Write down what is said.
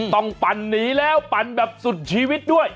ปั่นหนีแล้วปั่นแบบสุดชีวิตด้วย